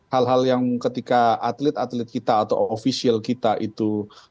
hal hal yang ketika atlet atlet kita atau ofisial kita itu